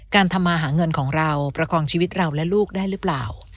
ทำมาหาเงินของเราประคองชีวิตเราและลูกได้หรือเปล่า